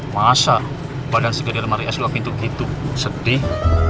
masa badan segede di lemari es luak pintu gitu sedih